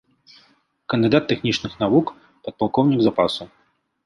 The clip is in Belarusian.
Кандыдат тэхнічных навук, падпалкоўнік запасу.